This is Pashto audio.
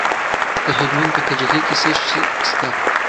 د هلمند په کجکي کې څه شی شته؟